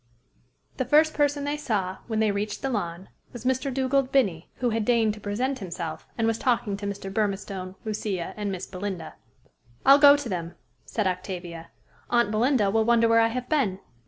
The first person they saw, when they reached the lawn, was Mr. Dugald Binnie, who had deigned to present himself, and was talking to Mr. Burmistone, Lucia, and Miss Belinda. "I'll go to them," said Octavia. "Aunt Belinda will wonder where I have been."